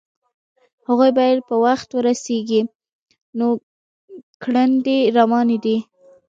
هغوی باید په وخت ورسیږي نو ګړندي روان دي